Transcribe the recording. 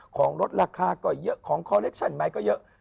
ของลดราคาก็เยอะของคอเล็กชั่นไหมก็เยอะ